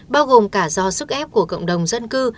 bao gồm cả do sức ép của cộng đồng dân cư